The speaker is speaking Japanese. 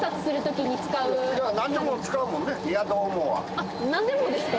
あ何でもですか？